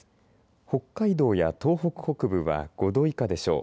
北海道や東北北部は５度以下でしょう。